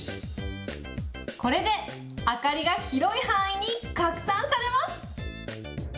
これで明かりが広い範囲に拡散されます。